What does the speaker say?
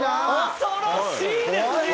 恐ろしいですね。